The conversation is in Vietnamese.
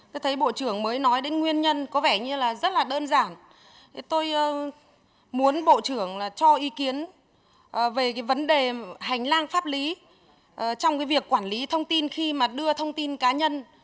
tôi thấy bộ trưởng mới nói đến nguyên nhân có vẻ như là rất là đơn giản tôi muốn bộ trưởng cho ý kiến về vấn đề hành lang pháp lý trong cái việc quản lý thông tin khi mà đưa thông tin cá nhân